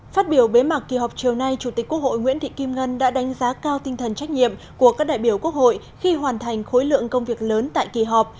phát biểu bế mạc kỳ họp chiều nay chủ tịch quốc hội nguyễn thị kim ngân đã đánh giá cao tinh thần trách nhiệm của các đại biểu quốc hội khi hoàn thành khối lượng công việc lớn tại kỳ họp